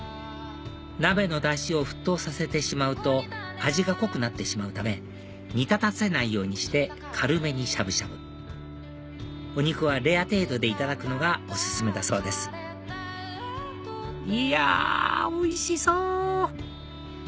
鍋のダシを沸騰させてしまうと味が濃くなってしまうため煮立たせないようにして軽めにしゃぶしゃぶお肉はレア程度でいただくのがお勧めだそうですいやおいしそう！